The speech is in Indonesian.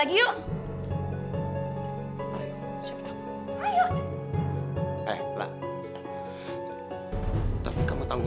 eh gustaf tunggu